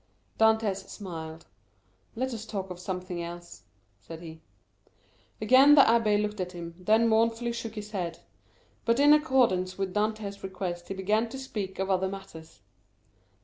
Dantès smiled. "Let us talk of something else," said he. Again the abbé looked at him, then mournfully shook his head; but in accordance with Dantès' request, he began to speak of other matters.